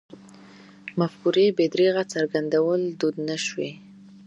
مفکورې بې درېغه څرګندول دود نه شوی.